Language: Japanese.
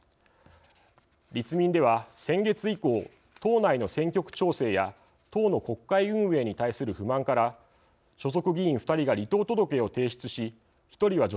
立民では先月以降党内の選挙区調整や党の国会運営に対する不満から所属議員２人が離党届を提出し１人は除籍になりました。